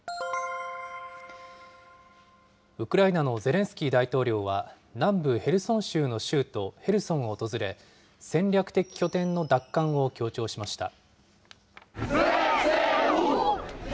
ウクライナのゼレンスキー大統領は、南部ヘルソン州の州都ヘルソンを訪れ、戦略的拠点の奪還を強調しました。